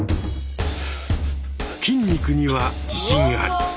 筋肉には自信あり！